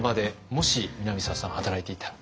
もし南沢さん働いていたら。